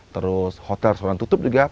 terus hotel sekarang tutup juga